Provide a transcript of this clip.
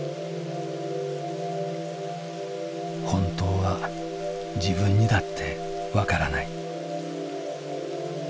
本当は自分にだって分からない。